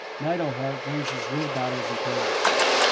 Neidelhard brings his real battles and perils.